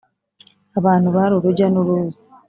Abantu bari urujya n uruza